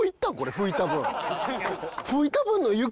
吹いた分の行方